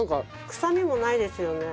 くさみもないですよね。